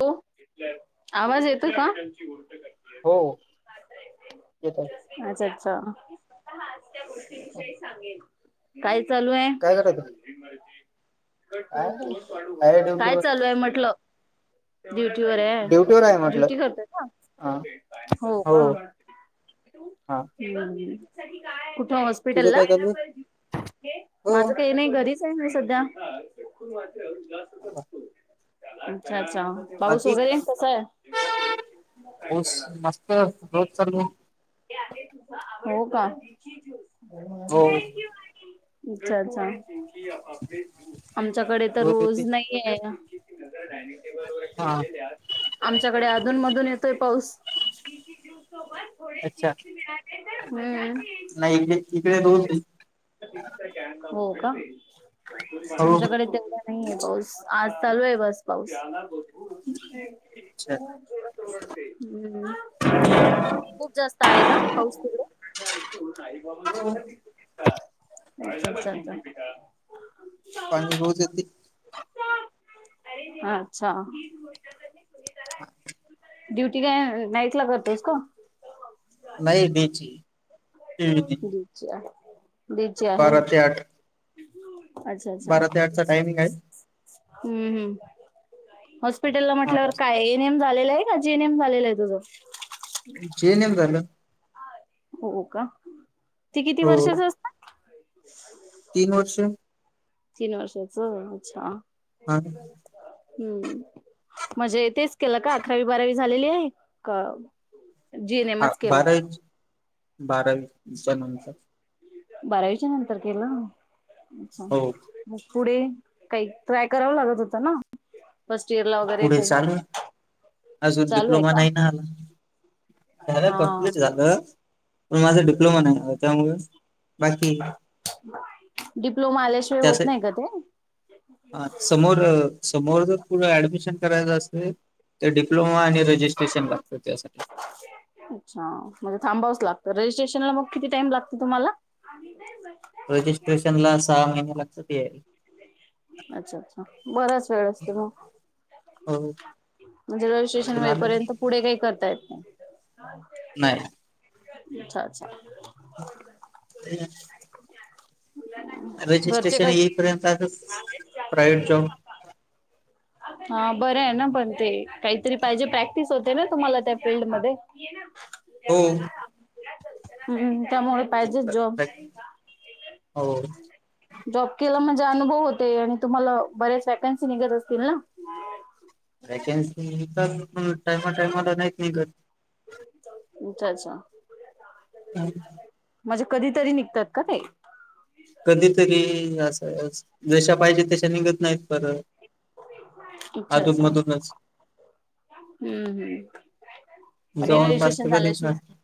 हो आवाज येतो का. हो येतोय. अच्छा अच्छा गोष्टीविषयी सांगेल काय चालू आहे. काय करत होता? काय नाही, आहे काय ड्युटीवर चालूय म्हटलं. ड्युटी वर आहे ड्युटीवर आहे म्हटलं ड्युटी करतोय का हा हो का. हा [unintelligible] कुठं तुझं हॉस्पिटलला काय चालू आहे? हो माझ काही नाही घरीच काहीच नाही सध्या अच्छा अच्छा. आ पाऊस बाकी वगैरे कसां आहे. पाऊस मस्त रोज चालू आहे. ते आहे तुझं आवड का हो अच्छा अच्छा [unintelligible] आमच्याकडे तर रोज नाहीये. हा आमच्याकडे अधून मधून येतोय पाऊस. स अच्छा चिप् मिळाले म नाही इकडे [unintelligible] इकडे रोज आहे. हो का हो तुमच्याकडे तेवढा नाहीय पाऊस आज चालू आहे बस पाऊस. [inaudible] अच्छा हम्म खूप जास्त आहे का पाऊस. हो. हा. चछच [unintelligible] पाणी होत ते. अच्छा! [inaudible] ड्युटी नाईट ला करतोस का. नाही बेची. ीच. द्यायची आहे. बारा ते आठ चा टायमिंग आहे. हॉपिटलला आठ म्हटल्यावर वाजता कायम झा. का जी नेम झालेलं आहे तुझं. जे नम झालं. हो का ते किती हो वर्षच असतात. तीन वर्षे. तीन वर्षाच अच्छा. हम्म म्हणजे तेच केलं का अकरावी बारावी झालेली आहे का? जी एन हा एमच केलं बारावी बारावीच्या नंतर. बराायच्या नंतर केलं. हो पुढे काही ट्राय करावं लागत होतं ना. फर्स्ट इयर ला वगैरे पुढे काही चालू अजून चालू आहे डिप्लोमा का? नाही ना आला झालं हा कं्प्लीट झालं. पण माझा डिप्लोमा नाही आला त्यामुळे बाकी डिप्लोमा आल्याशिवाय त्या होत नाही का ते ह समोर समोर जर डमिशन- राय अस ते डिप्लोमा आणि रजिस्ट्रेशन लागत त्यासाठी अच्छा म्हणजे थांबावच लागत रजिस्ट्रेशनला मग किती टाइम लागत तुम्हाला रजिस्ट्रेशन ला सहा महिने लगतात येईल. अच्छा अच्छा बराच वेळ असतो मग. हो म्हणजे रवि स्टेशन अजून आलं वईपर्यंत पुढे काही करतायत. नाही. अच्छा अच्छा. रजिस्ट्रेशन येईपर्यंत आ. जास्त दिवस. हा बरं आहे ना पण ते काहीतरी पाहिजे प्रॅक्टिस होते ना तुम्हाला त्या फील्डमध्येध्ये. हो हम् त्यामुळे पाहिजे ज. हो. जॉब केला म्हणजे अनुभव होते आणि तुम्हाला बरेच वॅकन्सी निघत असतील ना. वॅकेन्सी टायमा टायमाला नाहीत निघत. अच्छा अच्छा. हम. म्हणजे कधीतरी निघतात का ते. कधीतरी असं जशा पाहिजे तशा निघत नाहीत परं. अच्छा आजप अच्छा मतूनच हम्म हम्म पण हेथ र जवळपास रिस्टेशन तर कधीच चालेयच. नसतात.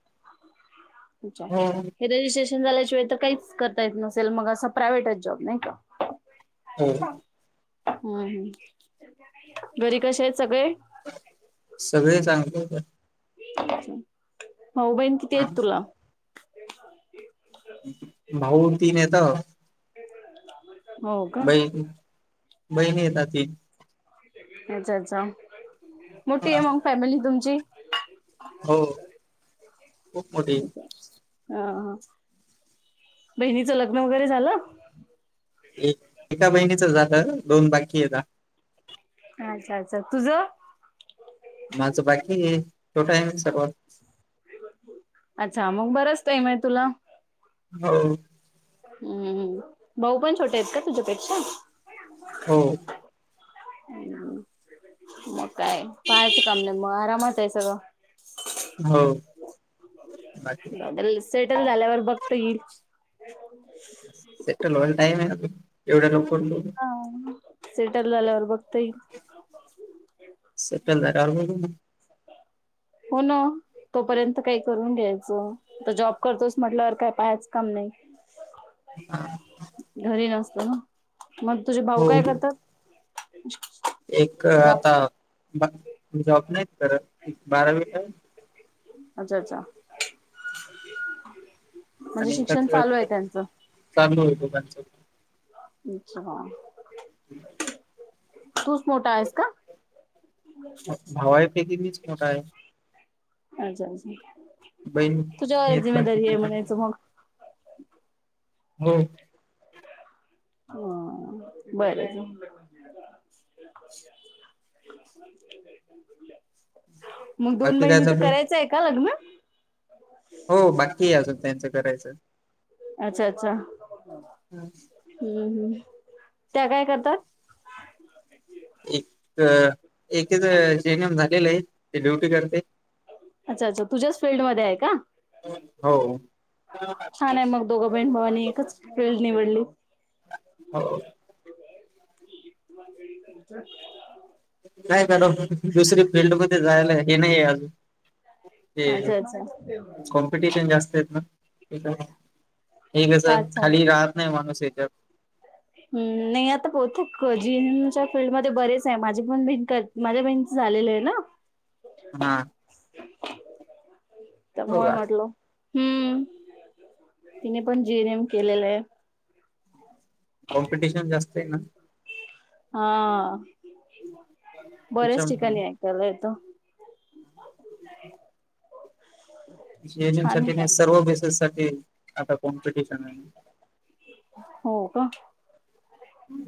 च् हो. हे रिट्रेशन झाल्या तर काही कर. त नसेल मग असं प्रायव्हेटच जॉब नाही का? हम हम ह घरी कसे आहेत सगळे सगळे चांगले का भाऊ बहीण किती हा आहेत तुला भाऊ तीन आहेत हो का बहीण आहेत तीन अच्छा अच्छा मोठी आहे मग फॅमिली तुमची हो खूप मोठी अ बहिणीच लग्न वगैरे झालं. एक एका बहिणीच झालं दोन बाकी येता. अच्छा अच्छा तुझ. माझं बाकी छोटं आहे मी सर्वात अच्छा मग बरच टाईम आहे तुला हो हम्मम् भाऊ पण छोटे आहेत का तुझ्यापेक्षा हो हम मग काय पाहायचं काम नाही मग आरामात आहे सगळं हो बाकी बर सेटल झाल्यावर बघता येईल सेटल व्हायला टाइम आहे अजून एवढ्या लवकर नको सेटल झाल्यावर बघता येईल सेटल झालेवर बघू हो ना तोपर्यंत काही करून घ्यायचं तर जॉब करतोस म्हटल्यावर काय पाहायचं काम नाही हा घरी नसत ना मग तुझे भाऊ हो. काय करतात एक जॉब आता जॉब नाही करत बारावीला आहे अच्छा अच्छा म्हणजे आणि एकाच शिक्षण चालू आहे त्यांचं चालू आहे दोघांच अच्छा का हम्. तूच मोठा आहेस का? भावा आहे पैकी मीच मोठा आहे. अच्छा अच्छा बहीण तुझ्यावर जिम्मेदारी आहे हो म्हनायच मग [unintelligible] हो. हा बर. मग दोन बाकी काय बहिणीचं चालू करायचं आहे का लग्न हो बाकी अजून त्यांचं करायचं. अच्छा अच्छा हम्म हम्म. त्या काय करतात. एक एकीच जेनएम झालेलं आहे ते ड्युटी करते. अच्छा अच्छा तुझ्याच फील्डमध्ये आहे का? हो छान आहे मग दोघं बहीण भावानी एकच फील्ड निवडली. हो. [unintelligible] नाही का दुसरी फिल्ड मध्ये जायला हे नाहीये अस. ते अच्छा अच्छा कॉम्पिटिशन जास्त आहेत ना. हे कसं खाली राहत नाही माणूस याच्यावर हम् नाही आता बहुतेक जीएमच्या फील्डमध्ये बरेच आहे माझी पण बहीण माझ्या बहीण झालेलं आहे ना. हम. तरमुळेय म्हटल. हम्म तिने पण जीएनएम केलेलं आहे. कॉम्पिटिशन जास्त आहे ना. हा बऱ्याच त्याच्यामुळे ठिकाणी ऐकायला येतो. [unintelligible] जीएनएम छान साठी म काम. सर्व बेसेस साठी आता कॉम्पिटिशन आहे. हो का. हम्.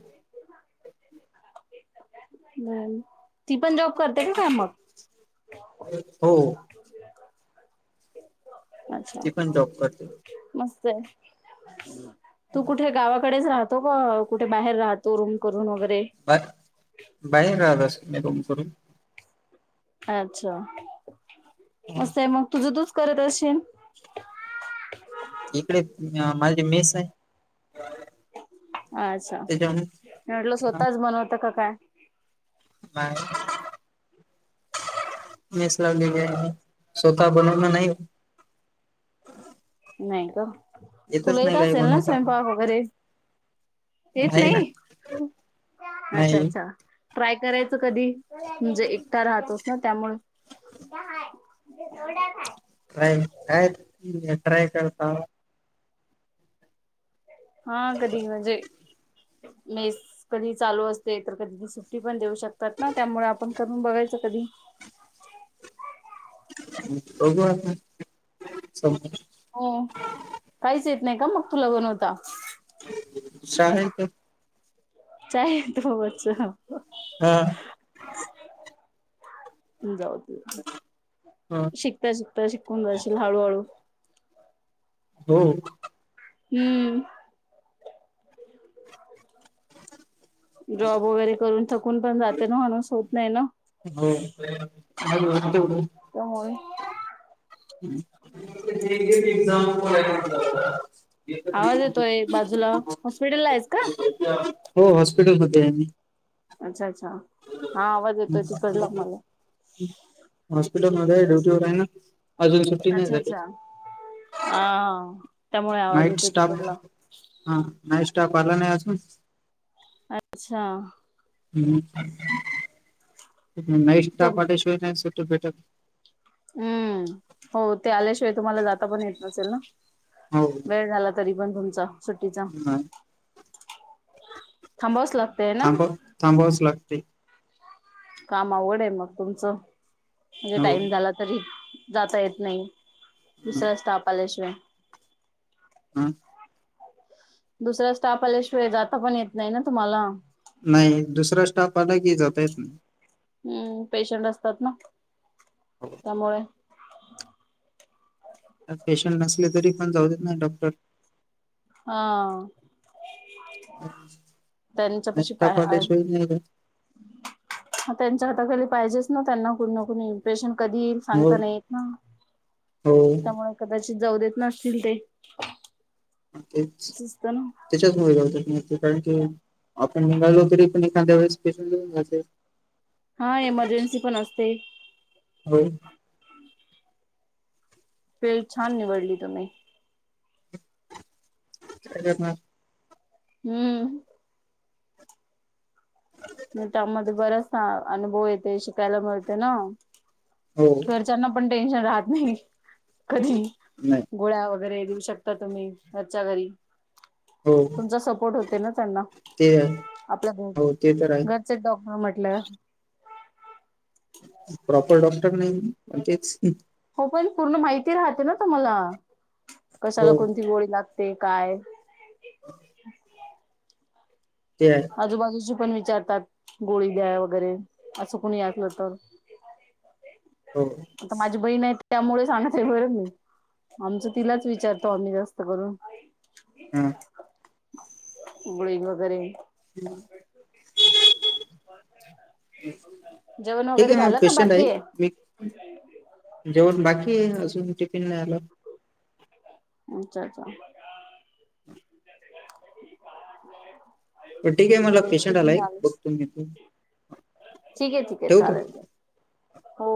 ती पण जॉब करते का का मग हो अच्छा ती पण जॉब करते मस्त तू कुठे गावाकडेच राहत. कुठे बाहेर राहतो रूम करून वगैर बा बाई नासकम करून अच्छा म मग तूझ त करत असशी इकडे माझ मिस आहे. अच्छा त्याच्यामुळे म्हटलं स्वतःच बनवतं का काय? नाही. मस ला स्वतः बनवला नाही. नाही का येतच तुलाही नाही तर काही असेल ना बनवता स्वयंपाक वगैरे येत नाही अच्छा नाही अच्छा. ट्राय करायचं कधी म्हणजे एकटा राहतोस ना त्यामुळे येवड्याचय. हम् एट्रय काता हा कधी म्हणजे मेस कधी चालू असते तर कधी ती सुट्टी पण देऊ शकते. तात ना त्यामुळे आपण कून बघायचं कधी होघवा का स हो काहीच येत नाही का मग तुला बनवता श आहे त य त ह जाऊ हा शिकता शिकता शिकून जाशील हळूहळू होम हम्म जॉब वगैरे करून थकून पण जाते ना म्हणस होत नाही ना हो त्यामुळे गेटिव एझाम पता आवाज येतोय बाजूला हॉस्पिटल ला आहेच का ते अच्छा अच्छा हा आवाज येतोय तिकडला मला हटल ड्युटीवर आहे ना अजून सुट्टी नाही अच्छा झाली अच्छा अ त्यामुळे आवाज नाईट येतो स्टाफ तिकडला हा नाईट स्टाफ आला नाही असजून अच्छा हम् नाही्ट पाटशो नाही सटेटक हम्म हो ते आल्याशिवाय तुम्हाला जाता पण येत नसेल ना हो वेळ झाला तरी पण तुमचा सुट्टीचा नाही थांब असला थांबव थांबावच लागते काम अवघड आहे मग तुमचं म्हणजे हो. टाइम झाला तरी जाता येत नाही दुसरं असतपालेश्वरय हम दुसरा्या स्टाफ आल्याशिवाय जाता पण येत नाही ना तुम्हाला नाही दुसरा स्टाफ आला की जात येत नाही हम्म पेशंट असतात ना त्यामुळे आ पेशंट नसले तरी पण जाऊ देत ना डॉक्टर हा नाईट त्यांचं पशी पाय स्टाफ आल्याशिवाय नाही जात. ह त्यांच्या हात खाली पाहिजे त्यांना कु कणी इमप्रेशन कधी येईल हो सांगता नाही ना हो त्यामुळे कच जाऊ देत नसतील ते तेच असत ना त्याच्याचमुळे रालतात कारण की आपण निघालो तरी एखाद्या वेळेस हा एमर्जन्सी पण असते हो वेळ छान निवडली तुम्ही अ म हम्म मी त्यामध्ये बराचसा अनुभव येते शिकायला मिळते ना हो घरच्यांना पण टेन्शन राहत नाही कधी नाही गोळ्या वगैरे देऊ शकता तुम्ही घरच्या घरी हो तुमचा सपोर्ट होते ना त्यांना ते आहे आपल्या हो ते तर आहे घरच डॉक्टर म्हटलं प्रॉपर डॉक्टर नाही म्हणजेच हो पण पूर्ण माहिती राहते ना तुम्हाला कशाला हो कोणती गोळी लाग ते काय ते आहे आजूबाजूची पण वि विचारतात गोळी द्या वगैरे असं कोणी या असलं तर हो आता माझी बहीण आहेत त्यामुळे सांगत बर मी आमचं तिलाच विचारतो आम्ही जास्त करून हम्म गोळी वगैरे हम् ह [inaudible] जेवण ठीक वगैरे आहे म झालं का पेशंट आहे बाकी मी जेवण बाकी अजून टिफिन नाही आलं अच्छा अच्छा ठीक आहे मला पेशंट टिफिन आलाय आलेस बघतो घ त ठीक आहे ठीक आहे चालेल ल हो